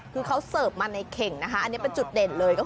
เขาเสิร์ฟมาในเข่งอันนี้เป็นจุดเด่นเลย